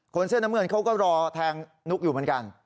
เสื้อน้ำเงินเขาก็รอแทงนุ๊กอยู่เหมือนกัน